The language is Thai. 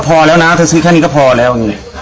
พอแล้วนะเคยซื้อแค่นี้ก็พอแล้ว